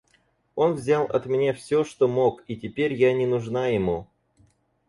Он взял от меня всё, что мог, и теперь я не нужна ему.